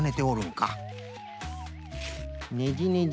ねじねじ。